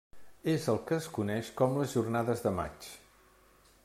És el que es coneix com les Jornades de Maig.